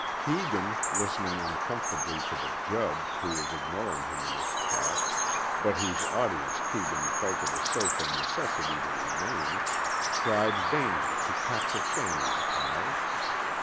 Keegan, listening uncomfortably to the judge who was ignoring him in his talk but whose audience Keegan felt it a social necessity to remain, tried vainly to capture Fanny's eyes.